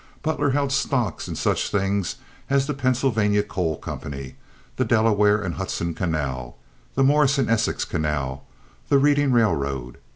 Butler held stocks in such things as the Pennsylvania Coal Company, the Delaware and Hudson Canal, the Morris and Essex Canal, the Reading Railroad.